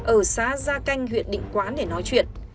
ở xã gia canh huyện định quán để nói chuyện